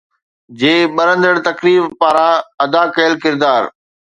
جي ٻرندڙ تقرير پاران ادا ڪيل ڪردار